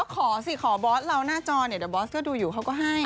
ขอสิขอบอสเราหน้าจอเนี่ยเดี๋ยวบอสก็ดูอยู่เขาก็ให้